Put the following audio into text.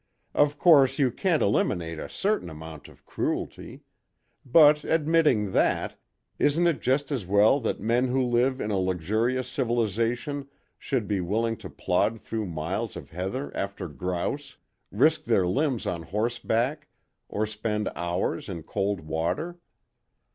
"Of course, you can't eliminate a certain amount of cruelty; but admitting that, isn't it just as well that men who live in a luxurious civilisation should be willing to plod through miles of heather after grouse, risk their limbs on horseback, or spend hours in cold water?